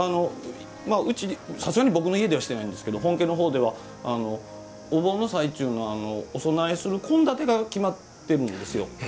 さすがに僕の家ではしてないんですけど本家のほうではお盆の最中のお供えする献立が決まってるんですよ。